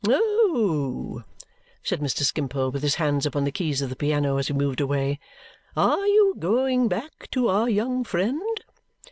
"Oh!" said Mr. Skimpole, with his hands upon the keys of the piano as we moved away. "Are you going back to our young friend?"